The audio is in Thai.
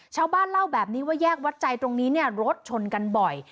ชาวบ้านเล่าแบบนี้ว่าแยกวัดใจตรงนี้เนี่ยรถชนกันบ่อย